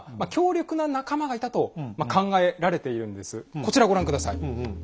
こちらご覧下さい。